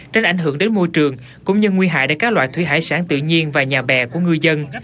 tránh ảnh hưởng đến môi trường cũng như nguy hại để các loại thủy hải sản tự nhiên và nhà bè của ngư dân